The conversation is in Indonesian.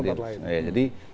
itu bukan tempat lain